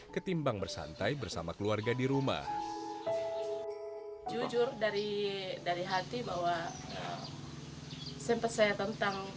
ketimbang bersantai bersama keluarga di rumah jujur dari dari hati bahwa sempat saya tentang